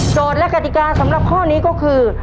และกติกาสำหรับข้อนี้ก็คือ